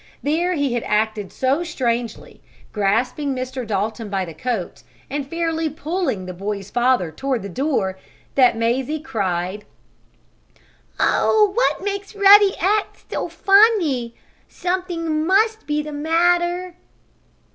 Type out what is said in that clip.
There he acted so strangely, grasping Mr. Dalton by the coat, and fairly pulling the boy's father toward the door, that Mazie cried: "Oh, what makes Ruddy act so funny? Something must be the matter!"